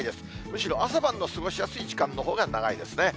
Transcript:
むしろ朝晩の過ごしやすい時間のほうが長いですね。